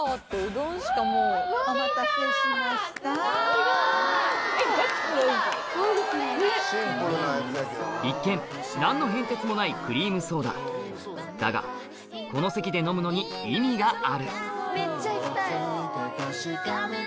すごい！一見何の変哲もないクリームソーダだがこの席で飲むのに意味があるうわっ！